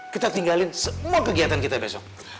kita tinggalin semua kegiatan kita besok